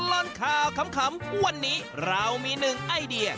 ตลอดข่าวขำวันนี้เรามีหนึ่งไอเดีย